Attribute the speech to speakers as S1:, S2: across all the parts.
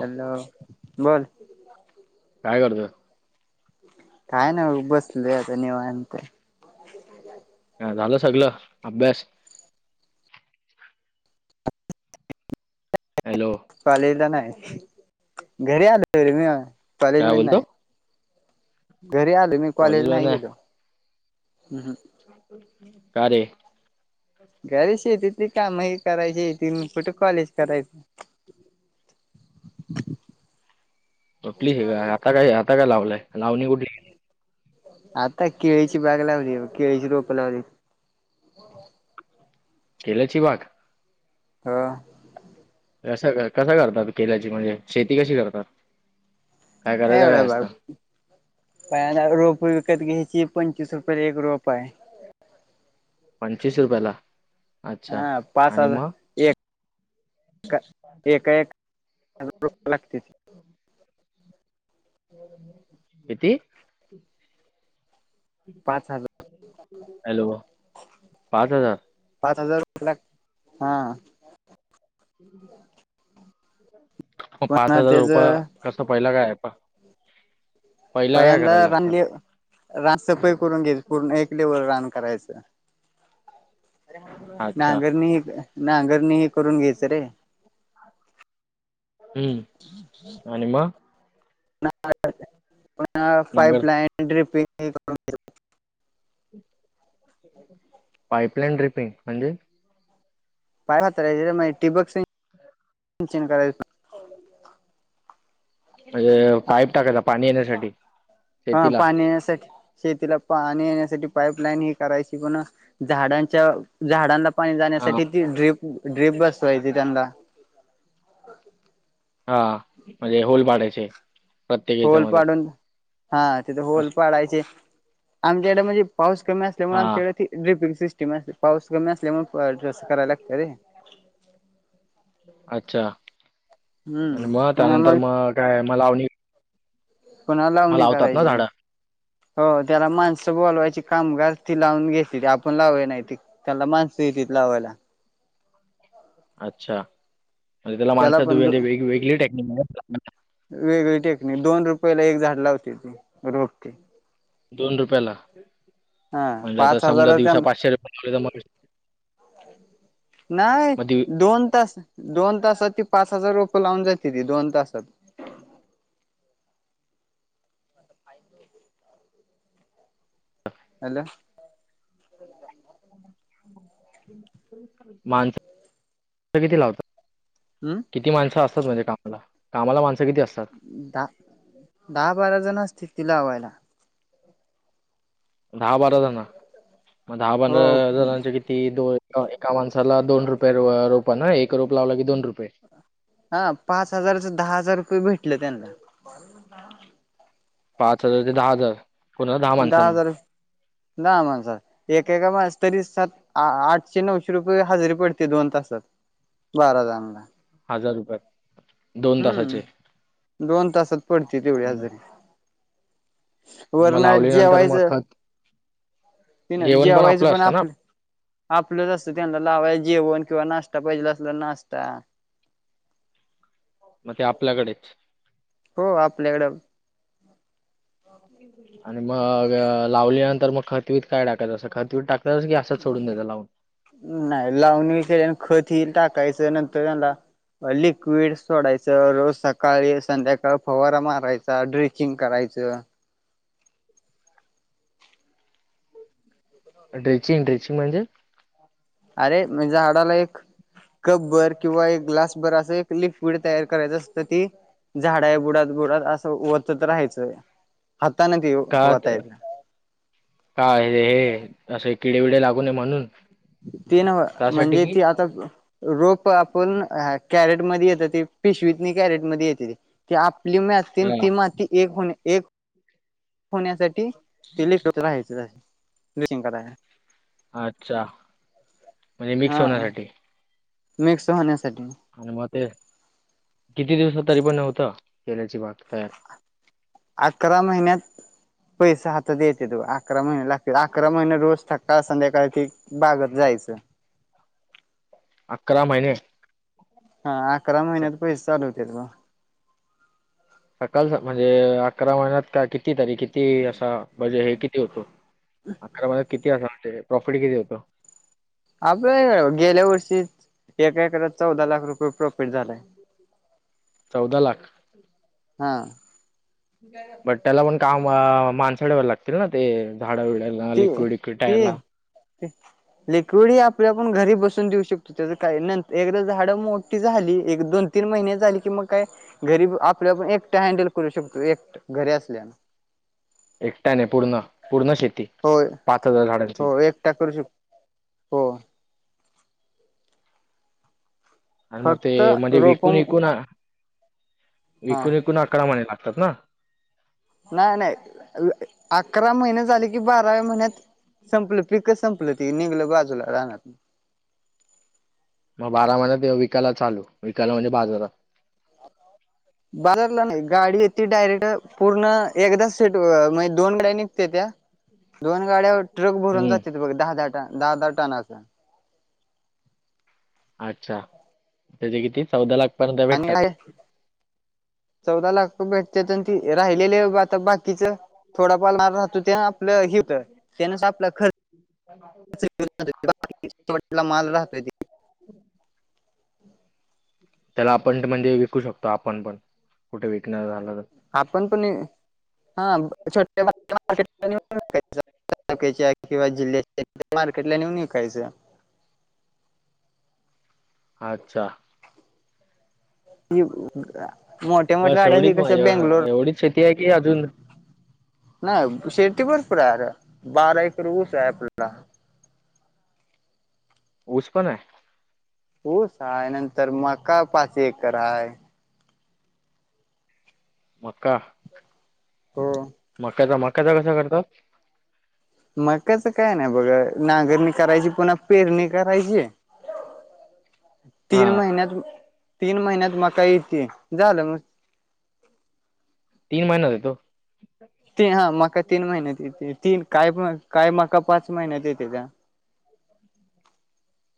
S1: Hello बोल
S2: काय करतोय
S1: काय नाही बसलोय आता निवांत
S2: ह झालं सगळ अभ्यास? हॅलो
S1: कॉलेजला नाही घरी आलोे मी
S2: काय
S1: कॉलेजला
S2: बोलतो
S1: नाही घरी आलो मी कॉलेज
S2: वन
S1: नाही
S2: आहे
S1: गेलो
S2: का रे?
S1: घर शेतीतली काम हे करायची तीन पुुठ कॉलेज करायचं.
S2: प्ली हे का आता काय आता काय लावलाय लावणी कुठे
S1: आता केळीची बाग लावली केळीची रोप लावली
S2: केल्याची बाग
S1: ह
S2: कस कस करतात केल्याची म्हणजे शेती कशी करतात काय करायचं
S1: एवढ
S2: काय
S1: बर
S2: असतं
S1: [unintelligible] प रोप विकत घ्यायची पंचीस रुपयेला एक रोप आहे.
S2: पंचवीस रुपयाे ला
S1: हा पाच हजार एक [unintelligible]
S2: कीती?
S1: पाच हजार,
S2: हॅलो पाच हजार
S1: पाच हजार. [unintelligible]
S2: मं पाच
S1: पुन्हा
S2: हजार रुपय
S1: त्याच
S2: कस पहिला काय आहे पा.
S1: पहिल्यांदा
S2: लागतं
S1: रानले रान सफाई करून घ्यायची पूर्ण एक लेवलं रान करायचं.
S2: अच्छा
S1: नांगरणी हे, नांगरणी हे करून घ्यायचं रे.
S2: हूं आणि म. नांगर
S1: [unintelligible]
S2: पाईपलाईन ड्रिपिंग म्हणजे?
S1: पाइप हाताळायचे ठीबक सिंचन [inaudible] सिंचन करायच.
S2: म्हणजे पाईप टाकायचा पाणी येण्यासाठी.
S1: हा
S2: शेतीला
S1: पाणी येण्यासाठी शेतीला पाणी येण्यासाठी पाईप लाईन ही करायची पन झाडांच्या-झाडांना पाणी
S2: हा
S1: जाण्यासाठी ती ड्रीप-ड्रीप बसवायची त्यांनला.
S2: हा म्हणजे होल पाडायचे प्रत्येक
S1: होल
S2: याच्यामध्ये.
S1: पाडून हा तिथे होल
S2: अश
S1: पाडायचे, आमच्याकडे म्हणजे पाऊस कमी असल्यामुळे
S2: हां
S1: आमच्याकडे ते. ड्रिपिंग सिस्टीम असते, पाऊस कमी असल्यामुळे [unintelligible] करायला लागत रे.
S2: अच्छा आणि
S1: हम्म
S2: म
S1: पुन्हा
S2: त्यानंतर
S1: मग
S2: म काय म लावणी?
S1: पुन्हा
S2: मग
S1: लावणी
S2: लावतात ना
S1: करायची.
S2: झाडं
S1: हो त्याला माणसं बोलवायची कामगार ती लावून घेतीती आपण लावलं नाही ती. त्याला मानस येतीत लावायला.
S2: अच्छा म्हणजे त्याला माणसात म्हणजे [unintelligible] वेग-वेगली टेक्निक.
S1: वेगळी टेकणी दोन रुपयाला एक झाड लावते ते रोखे.
S2: दोन रुपयाला
S1: हा
S2: म्हणजे आता
S1: पाच
S2: समजा
S1: हजारात
S2: दिवसा
S1: त्यां
S2: पाचशे [unintelligible]
S1: नाहीय
S2: मग दिव
S1: दोन तास, दोन तासात ती पाच हजार रोप लावून जाते ती, दोन तासात. [inaudible]
S2: [inaudible]
S1: हला! [inaudible]
S2: माणस सं किती लावतात.
S1: ऊ!
S2: किती माणसं असतात म्हणजे कामाला, कामाला माणसं किती असतात?
S1: दहा-दहा बारा जण असतीत की लावायला.
S2: दहा बारा जण, म दहा
S1: हो
S2: पंधरा जणांच्या कि ती दो एका माणसाला दोन रुपये रोप ना, एक रोप लावलं की दोन रुपये.
S1: हा पाच हजारच दहा हजार, रुपये भेटले त्यांनला. [inaudible]
S2: पाच हजार ते दहा हजार. कोणाला
S1: दहा
S2: माणसांना
S1: हजार दहा माणसात. एकेका माणस तरी सातआठशे, नऊशे रुपये हजारी पडते दोन तासात. बारा जनाला.
S2: हजार रुपये. दोन तासाचे
S1: हूं दोन तासात पडती तेवढी हाजारी.
S2: म लावली गण.
S1: व्हायचं,
S2: जेवण
S1: जेवायचं
S2: आपलं
S1: पण
S2: असतं ना
S1: आपण. आपलंच असतं, त्यांना लावाय जेवण किंवा नाश्ता पाहिजे असला नाश्ता.
S2: मग ते आपल्याकडे.
S1: हो आपल्याकड.
S2: आणि मग लावल्या नंतर, मग खतबीत काय टाकायचं? असं, खतबीत टाका तसं च की असं च सोडून दिलं लावून.
S1: नाही लावून केल्यानंतर खत हि टाकायचं नंतर आउनदा. लिक्विड सोडायचं, रोज सकाळी संध्याकाळ फवारा माराय. चा, ड्रेचिंग करायचं.
S2: ड्रेचिंग ड्रेचिंग म्हणजे?
S1: अरे मनं, हाडाला एक कप भर किंवा एक ग्लास भर असं एक लिक्विड तयार करायचं असतं ते, झाडा बुडात बुडात असं वोतत राहायचं. हातानं दिव ओतायच.
S2: काय हे असे, किडे बिडे लागू नये म्हणून?
S1: ती नव्ह
S2: त्यासाठी
S1: म्हणजे
S2: कि
S1: ती आता रोप आपण कॅरेट मध्ये येतती, पीशिवीतनी कॅरेट मध्ये येत्याती. ती आपली माती अन,
S2: हा
S1: ती माती एक-एक होण्यासाठी ते [unintelligible] राहायचं. ड्रेचींग कराय
S2: अच्छा. म्हणजे मिक्स
S1: हा.
S2: होण्यासाठी
S1: मिक्स होण्यासाठी.
S2: मग ते किती दिवसात तरी, पण होत? केल्याची बाग तया
S1: अकरा महिन्यात पैसा हातात येत्यात. अकरा महिने लागतील, अकरा महिने रोज सकाळ संध्याकाळ बागत जायचं.
S2: अकरा महिने?
S1: हा. अकरा महिन्यात पैसे चालू होत्यात बगा.
S2: [unintelligible] म्हणजे अकरा महिन्यात का कि किती तरी किती असा म्हजे हे किती होतो? अकरा महिन्यात किती [unintelligible] प्रॉफिट किती होतं?
S1: आपला गेल्या वर्षी च एक एकराच चौदा लाख रुपये प्रॉफिट झालंय.
S2: चौदा लाख.
S1: हा.
S2: बट त्याला पण काम अ, माणसं ठेवायला लागतील ना ते झाड बिड.
S1: ते ते. लिक्विड हे आपल्या आपण घरी बसून देऊ शकतो. त्याचं काय नंतर एकदा झाडं मोठी झाली. एक दोन तीन महिने झाले की मग काय, घरी आपल्या आपण एकटा हँडल करू शकतो. एकट घरी असल्यास.
S2: एकट्याने पूर्ण. पूर्ण शेती.
S1: हो.
S2: पाच हजार झाडांची
S1: हो एकटा करू शकतो. हो.
S2: आणि मग ते
S1: फक्त
S2: म्हणजे
S1: रोप
S2: विकून विकून.
S1: हा
S2: विकून विकून अकरा महिने लागतात ना?
S1: नाही नाही. अकरा महिने झाले की बाराव्या महिन्यात. संपलं पिकच संपलं ती. निघलं बाजूला राहणार.
S2: मग बारा महिन्यात विकायला चालू. विकायला म्हणजे बाजारात. [inaudible]
S1: बाजारला नाही. गाडी येत ती डायरेक्ट पूर्ण एकदा सेट म्हणजे दोन गाड्या निघतेत्या. दोन गाड्या ट्रक भरून
S2: हम्म
S1: जात्यात बघ. दहा दहा- दहा दहा टनाचा.
S2: अच्छा त्याचे किती चौदा लाख पर्यत
S1: आणि
S2: भेटतात
S1: चौदा लाख भेटते ते राहिलेले आता बाकीच थोडा पालमार राहतो त्यात आपलं ह होत त्यानच आपलं खरं माल राहतो
S2: हम्
S1: ह
S2: त्याला आपण म्हणजे विकू शकतो आपण पण कुठे विकण्या झालं तर
S1: आपण पण हा छोट्या मार्केट तालुक्याच्या किंवा जिल्ह्याचा मार्केटला नेऊन विकायचं
S2: अच्छा
S1: मोठ्या मोठ्या
S2: बस
S1: गाड्या ह
S2: एवढीच
S1: कशा बेंगलोर
S2: माझ्या एवढीच शेती आहे की अजून
S1: नाही शेती भरपूर आहे बारा एकर ऊस आहे आपला
S2: ऊस पण आहे
S1: ऊस आहे नंतर मका पाच एकर आहे
S2: मक्का
S1: हो
S2: त्याच्या मकाचा कसा काढतात
S1: मकाच काय नाही बघा नांगरणी करायची पुन्हा पेरणी करायची
S2: हा
S1: तीन महिन्यात तीन महिन्यात मका येते झालं मग
S2: तीन महिन्यात येतो
S1: ती हा मका तीन महिन्यात तीन का काही मका पाच महिन्यात येते
S2: ह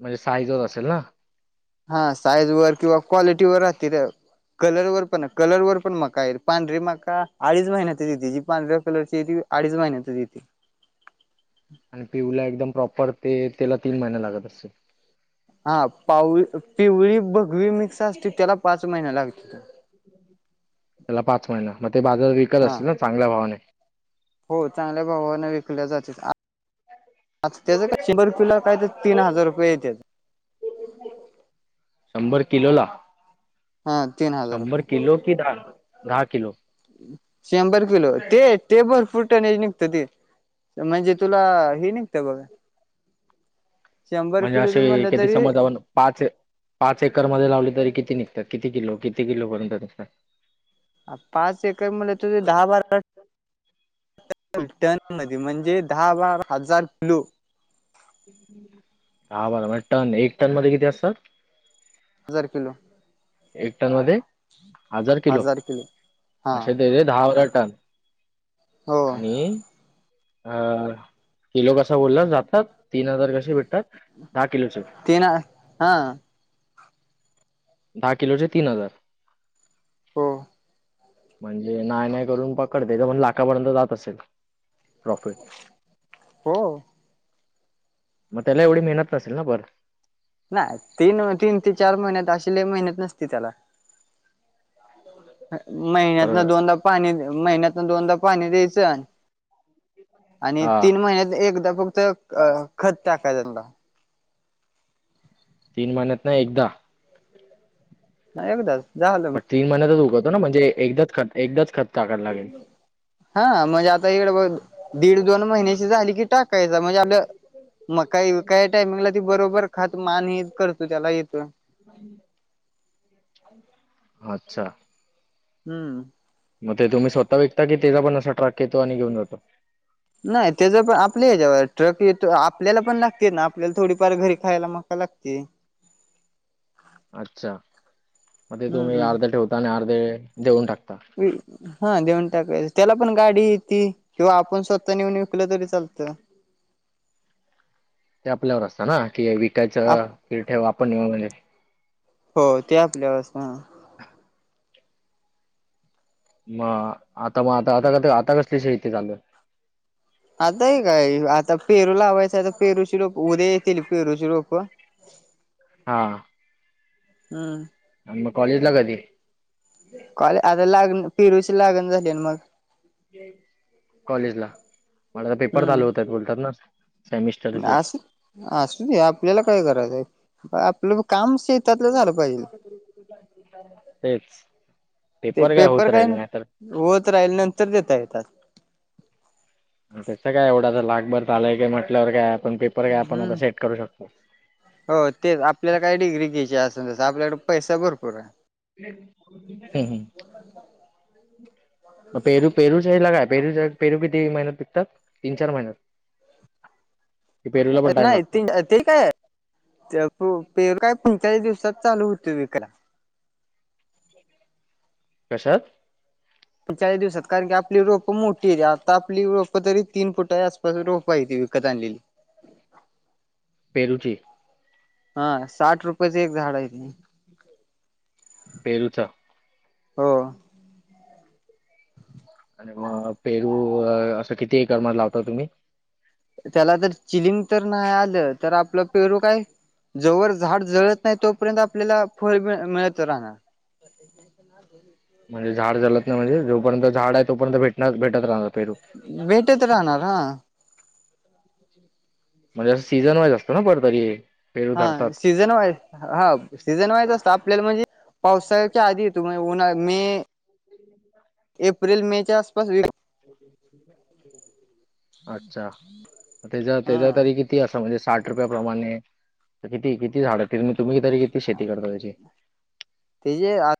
S2: म्हणजे साईजवर असेल ना
S1: हा साईज वर किंवा कॉलिटी वर राहते र कलर वर पण कलर वर पण मका पांढरी मका अडीच महिन्यातज येते जी पांढऱ्या कलरची येती अडीच महिन्यात येते
S2: आणि पिऊला एकदम प्रॉपर ते त्याला तीन महिने लागत असेते
S1: हा पाऊळी पिवळी बघवी मिक्स असते त्याला पाच महिना लागतील
S2: त्याला पाच महिना मग ते बाजार विकत
S1: हा
S2: असतील ना चांगल्या भावाने
S1: हो चांगल्या भावाने विकल्या जातील आ त्याच काय शंभर किलो काय तर तीन हजार रुपये येत्यात
S2: शंभर किलो ला
S1: हा तीन हजार रुपये
S2: किलो कि दहा दहा किलो
S1: शंभर किलो ते तेबर फुट आणि निघत ते म्हणजे तुला हे निघत ते बघा शंभर
S2: म्हणजे
S1: किलोच
S2: असे
S1: म्हणलं
S2: कधी
S1: तरी
S2: समजा जावं ना पाच पाच एकरमध्ये लावले तरी किती निघतात किती किलो किती किलोपर्यत निघतात
S1: पाच एकर मध्ये तुझे दहा बारा टन म्हणजे दहा बारा हजार किलो
S2: हम् दहा बरा म्हणजे टन एक टन मध्ये किती असतात
S1: हजार किलो
S2: एक टन मध्ये हजार किलो
S1: हा
S2: अशे केले दहा बारा टन
S1: हो
S2: आणि अ किलो कसा बोलला जातात तीन हजार कसे भेटतात दहा किलोचे
S1: तेन नाही हा
S2: दहा किलोचे तीन हजार
S1: हो.
S2: म्हणजे नाय नाय करून पकड तेच पण लाखापर्यंत जात असेल प्रॉफिट.
S1: हो.
S2: मग त्याला एवढी मेहनत नसेल ना पण
S1: नाही तीन तीन ते चार महिन्यात अशी लई मेहनत नसते त्याला महिन्यान दोनदा पाणी महिन्यातन दोनदा पाणी द्यायचं आणि
S2: हा
S1: तीन महिन्यात एकदा फक्त अ खत टाकायच त्यांना
S2: तीन महिन्यातन एकदा
S1: हा एकदाच झालं. मग
S2: पण तीन महिन्यातच उगवत ना म्हणजे एकदाच खत एकदाच खत टाकायला लागेल?
S1: हा म्हणजे आता इकडे बघ दीड-दोन महिन्याची झाली की टाकायच. म्हणजे आपलं म काय काय टायमिंगला ती बरोबर खात मान हे करतो त्याला येतो
S2: अच्छा!
S1: हम्म.
S2: मग ते तुम्ही स्वतः विकता की ते त्याचा पण असा ट्रक येतो आणि घेऊन जातो?
S1: नाही तेज पण आपल्या हेच्यावर आहे ट्रक येतो आपल्याला पण लागते ना आपल्याला थोडी परत घरी खायला मका लागते
S2: अच्छा! मग ते
S1: हम्म
S2: तुम्ही अर्धे ठेवता आणि अर्धे देऊन टाकता?
S1: हा देऊन टाकायच, त्याला पण गाडी येती किंवा आपण स्वतः नेऊन विकलं तरी चालतं
S2: ते आपल्यावर असतात ना कि
S1: आप
S2: विकायचं की ठेव आपण नेऊन
S1: हो ते आपल्यावर असत हा
S2: मग आता मग आता आता आता कसली शेती चालूय?
S1: आता हे काय आता पेरू लावायचं आता पेरूची रोप उद्या येतील पेरूची रोप
S2: हा.
S1: हम.
S2: आणि मग कॉलेज ला कधी?
S1: कॉलेज आता लागण पिरूची लागण झाली ना मग
S2: कॉलेज ला मग आता तर पेपर चालू होतात बोलत होतास ना? सेमिस्टरचे
S1: अस असुदे आपल्याला काय करायचंय आहे? आपलं काम शेतातलं झालं पाहिजे
S2: तेच पेपर काय होत राहिल नाही तर
S1: होत राहिल नंतर देता येतात
S2: त्याच काय एवढा लाखभर झालाय की म्हटल्यावर काय आपण पेपर काय आपण
S1: हम्म.
S2: अस सेट करू शकतो
S1: हो. तेच आपल्याला काय डिग्री घ्यायची अस न तसं आपल्याकडं काय पैसा भरपूर आहे
S2: हम् हम. पेरू पेरू सांगितला काय? पेरू पेरू किती महिन्यात पिकतात? तीन चार महिन्यात. [inaudible] पण टाइम
S1: नाही
S2: लागतो
S1: ति ते काय? [unintelligible] पेरु काय पंचाळीस दिवसात चालू होत विकायला.
S2: [inaudible] कशात?
S1: पंचेचाळीस दिवसात कारण की आपली रोपं मोठी आहेेती आता आपली रोपं तरी तीन फुटच्या आसपास रोपं हाय ती विकत आणलेली.
S2: पेरु ची
S1: हा साठ रुपयेच एक झाड आहे. ते.
S2: पेरूचा
S1: हो.
S2: आणि म पेरू अ असं किती एकर मध्ये लावता तुम्ही?
S1: त्याला तर चिलिंम तर नाही आलं तर आपलं पेरू काय जोवर झाड जळत नाही तोपर्यंत आपल्याला फळ मिळ मिळत राहणार. [inaudible]
S2: म्हणजे झाड जलत नाही म्हणजे जोपर्यंत झाड आहे तोपर्यंत भेटणार भेटत राहणार पेरू.
S1: भेटेत राहणार हा.
S2: [inaudible] म्हणजे असं सीझन वाईज असतं ना बर तरी. पेरू
S1: हा
S2: धरतात
S1: सीझन वाईज हा सीझन वाईज असतं आपल्याला म्हणजे पावसाळ्याच्या आधी येतो म उन्हा मे एप्रिल मे च्या आसपास. [unintelligible]
S2: अच्छा म त्याज्या
S1: हा
S2: त्याज्या तरी कि ती असं म्हणजे साठ रुपया प्रमाणे किती किती झाडं [unintelligible] तुम्ही तरी किती शेती करता त्याची?
S1: तीजे आ